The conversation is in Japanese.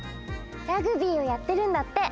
ラグビーをやってるんだって。